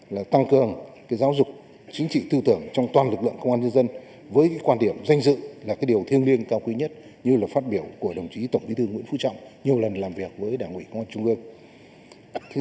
là tăng cường giáo dục chính trị tư tưởng trong toàn lực lượng công an nhân dân với quan điểm danh dự là cái điều thiêng liêng cao quý nhất như là phát biểu của đồng chí tổng bí thư nguyễn phú trọng nhiều lần làm việc với đảng ủy công an trung ương